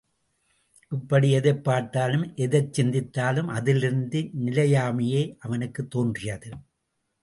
இப்படி எதைப் பார்த்தாலும் எதைச் சிந்தித்தாலும் அதிலிருந்து நிலையாமையே அவனுக்குத் தோன்றியது.